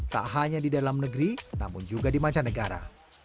tak hanya di dalam negeri namun juga di mancanegara